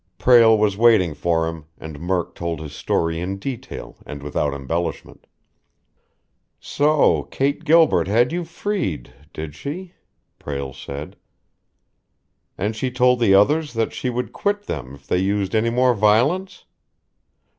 Prale was waiting for him, and Murk told his story in detail and without embellishment. "So Kate Gilbert had you freed, did she?" Prale said. "And she told the others that she would quit them if they used any more violence?